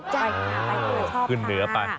ใจกล่าวไปกูชอบค่ะ